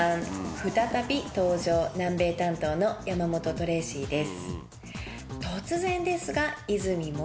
再び登場南米担当のヤマモトトレイシィです。